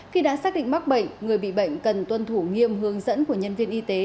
khi đã xác định mắc bệnh người bị bệnh cần tuân thủ nghiêm hướng dẫn của nhân viên y tế